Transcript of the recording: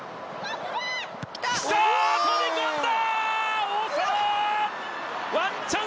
飛び込んだ！